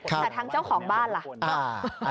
แต่ทางเจ้าของบ้านล่ะ